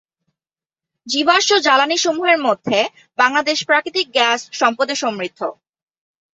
জীবাশ্ম জ্বালানিসমূহের মধ্যে বাংলাদেশ প্রাকৃতিক গ্যাস সম্পদে সমৃদ্ধ।